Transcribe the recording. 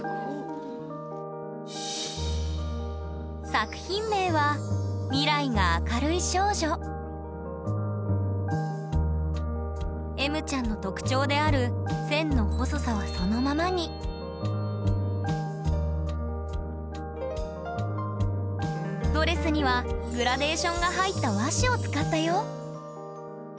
作品名はえむちゃんの特徴である線の細さはそのままにドレスにはグラデーションが入った和紙を使ったよ